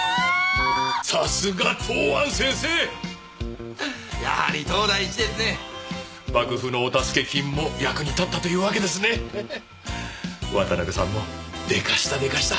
さすが東庵先生やはり当代一ですね幕府のお助け金も役に立ったというわけですね渡辺さんもでかしたでかした！